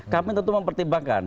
kami tentu mempertimbangkan